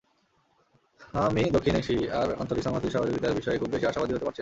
আমি দক্ষিণ এশিয়ার আঞ্চলিক সংহতি-সহযোগিতার বিষয়ে খুব বেশি আশাবাদী হতে পারছি না।